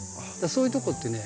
そういうとこってね